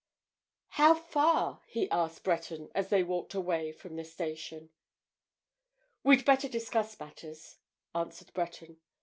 "How far?" he asked Breton as they walked away from the station. "We'd better discuss matters," answered Breton.